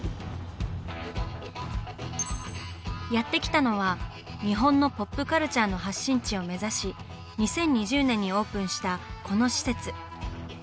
やって来たのは日本のポップカルチャーの発信地を目指し２０２０年にオープンしたこの施設。